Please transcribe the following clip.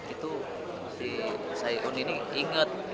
itu si sayun ini ingat